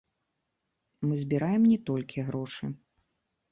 Мы збіраем не толькі грошы.